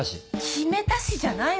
「決めたし」じゃないわよ。